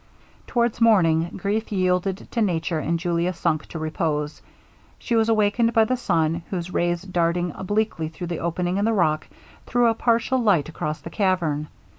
Towards morning grief yielded to nature, and Julia sunk to repose. She was awakened by the sun, whose rays darting obliquely through the opening in the rock, threw a partial light across the cavern.